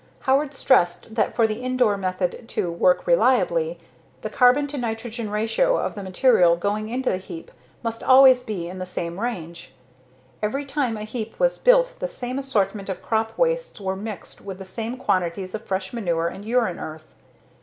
Howard stressed that for the Indore method to work reliably the carbon to nitrogen ratio of the material going into the heap must always be in the same range. Every time a heap was built the same assortment of crop wastes were mixed with the same quantities of fresh manure and urine earth.